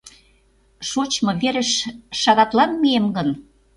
Шочмо верыш шагатлан мием гын